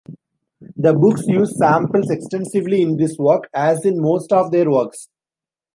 The Books use samples extensively in this work, as in most of their works.